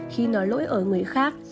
khi nói lỗi ở người khác